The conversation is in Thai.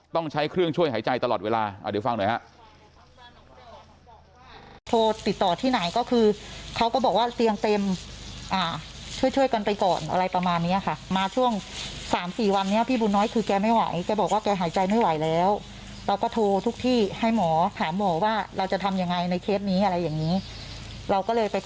ต้องใช้เครื่องช่วยหายใจตลอดเวลาเดี๋ยวฟังหน่อยฮะ